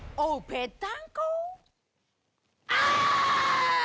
ぺったんこ。